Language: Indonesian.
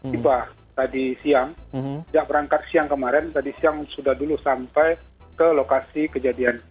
tiba tadi siang sejak berangkat siang kemarin tadi siang sudah dulu sampai ke lokasi kejadian